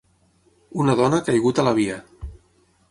Una dona ha caigut a la via.